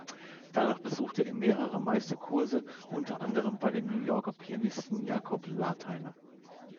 Danach besuchte er mehrere Meisterkurse, unter anderem bei dem New Yorker Pianisten Jacob Lateiner.